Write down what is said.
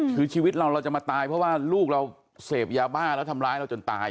คือชีวิตเราเราจะมาตายเพราะว่าลูกเราเสพยาบ้าแล้วทำร้ายเราจนตาย